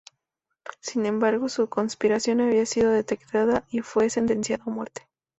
Sin embargo, su conspiración había sido detectada y fue sentenciado a muerte.